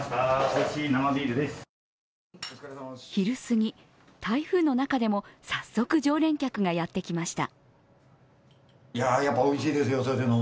昼過ぎ、台風の中でも早速常連客がやってきました。